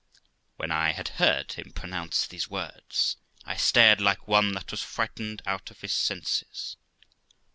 When I had heard him pronounce these words, I stared like one that was frightened out of his senses.